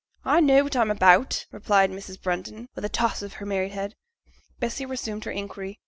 'I know what I'm about,' replied Mrs. Brunton, with a toss of her married head. Bessy resumed her inquiry.